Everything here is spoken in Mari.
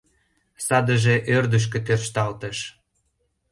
Садыже ӧрдыжкӧ тӧршталтыш.